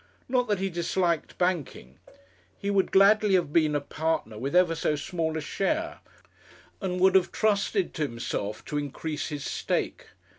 Not that he disliked banking. He would gladly have been a partner with ever so small a share, and would have trusted to himself to increase his stake.